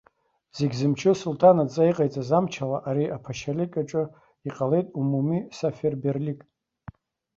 Зегь зымчу асулҭан адҵа иҟаиҵаз амчала, ари аԥашьалыкь аҿы иҟалеит умуми саферберлик!